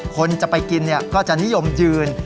คนจะไปกินก็จะนิยมยืน